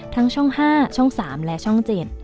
ช่อง๕ช่อง๓และช่อง๗